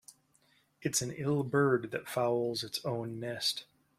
It's an ill bird that fouls its own nest.